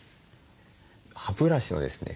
歯ブラシのですね